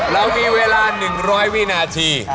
เรามีเวลา๑๐๐วินาที